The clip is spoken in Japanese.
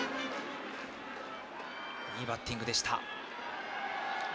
いいバッティングでした。